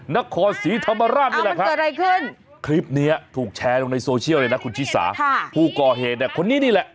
นครศรีธรรมราชนี่แหละครับคลิปนี้ถูกแชร์ลงในโซเชียลเลยนะคุณชิสาผู้ก่อเหตุคนนี้นี่แหละ